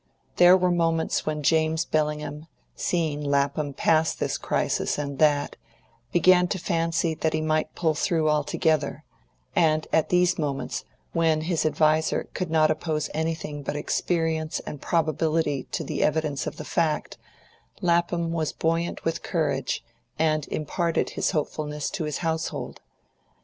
There were moments when James Bellingham, seeing Lapham pass this crisis and that, began to fancy that he might pull through altogether; and at these moments, when his adviser could not oppose anything but experience and probability to the evidence of the fact, Lapham was buoyant with courage, and imparted his hopefulness to his household.